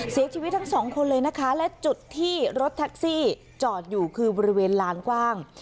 เสียชีวิตทั้งสองคนเลยนะคะและจุดที่รถแท็กซี่จอดอยู่คือบริเวณลานกว้าง